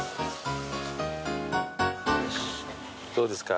どうですか？